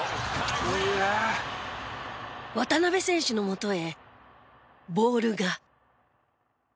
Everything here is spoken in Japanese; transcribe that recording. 「うわあ」渡邊選手のもとへボールが。